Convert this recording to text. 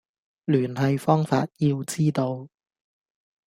聯繫方法要知道